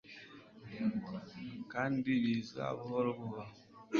kandi biza buhoro buhoro